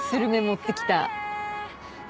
持ってきた。